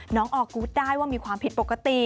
ออกูธได้ว่ามีความผิดปกติ